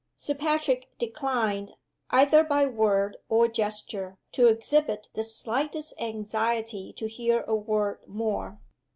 Sir Patrick declined, either by word or gesture, to exhibit the slightest anxiety to hear a word more.